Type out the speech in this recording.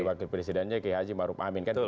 wakil presidennya ki haji maruf amin kan